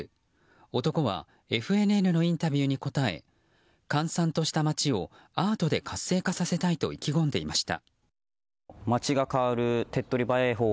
男はＦＮＮのインタビューに答え閑散とした街をアートで活性化させたいと意気込んでいました。